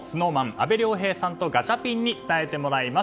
阿部亮平さんとガチャピンに伝えてもらいます。